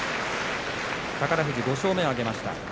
宝富士、５勝目を挙げました。